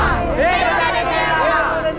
hidup di jaya lama